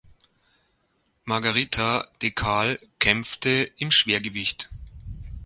Margherita De Cal kämpfte im Schwergewicht.